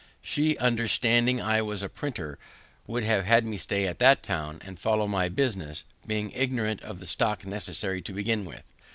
She understanding I was a printer, would have had me stay at that town and follow my business, being ignorant of the stock necessary to begin with.